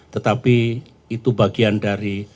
tetapi itu bagian dari